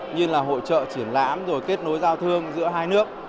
như là hội trợ triển lãm rồi kết nối giao thương giữa hai nước